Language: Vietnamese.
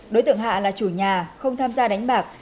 đối tượng hạ là chủ nhà không tham gia đánh bạc